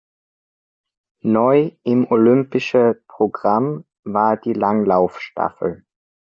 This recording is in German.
Neu im olympische Programm war die Langlaufstaffel.